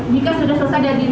jika sudah selesai diadil